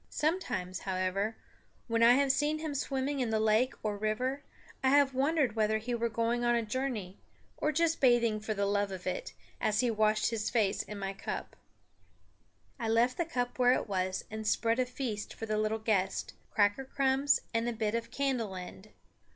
Sometimes, however, when I have seen him swimming in the lake or river, I have wondered whether he were going on a journey, or just bathing for the love of it, as he washed his face in my cup. I left the cup where it was and spread a feast for the little guest, cracker crumbs and a bit of candle end.